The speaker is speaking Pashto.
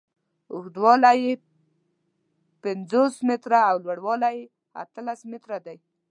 اوږدوالی یې پنځوس متره او لوړوالی یې اتلس متره دی.